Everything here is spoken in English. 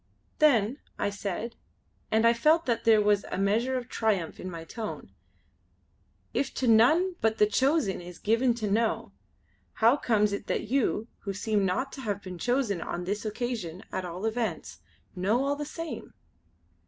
"Then" I said, and I felt that there was a measure of triumph in my tone "if to none but the chosen is given to know, how comes it that you, who seem not to have been chosen on this occasion at all events, know all the same?"